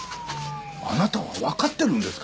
あなたはわかってるんですか！？